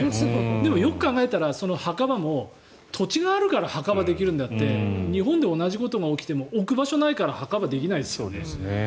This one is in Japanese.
でもよく考えたらその墓場も土地があるから墓場ができるのであって日本で同じことが起きても置く場所がないから墓場、できないですよね。